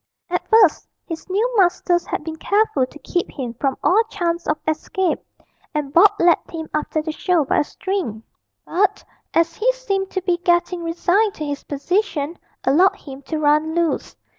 At first his new masters had been careful to keep him from all chance of escape, and Bob led him after the show by a string; but, as he seemed to be getting resigned to his position, allowed him to run loose.